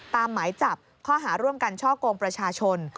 หมายจับข้อหาร่วมกันช่อกงประชาชน